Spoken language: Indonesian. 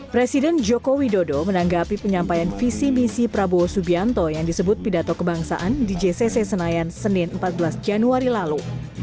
presiden joko widodo menanggapi penyampaian visi misi prabowo subianto yang disebut pidato kebangsaan di jcc senayan senin empat belas januari lalu